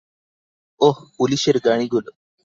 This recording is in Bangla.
ওহ, পুলিশের গাড়িগুলো।